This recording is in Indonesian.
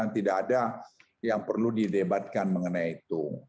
tidak ada yang perlu didebatkan mengenai itu